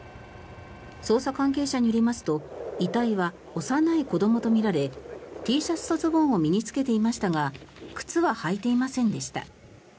捜査関係者によりますと遺体は幼い子どもとみられＴシャツとズボンを身に着けていましたが靴は履いていませんでした。